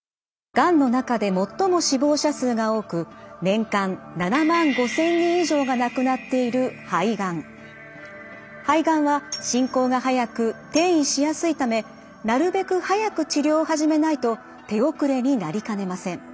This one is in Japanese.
がんの中で最も死亡者数が多く年間７万５，０００人以上が亡くなっている肺がんは進行が速く転移しやすいためなるべく早く治療を始めないと手遅れになりかねません。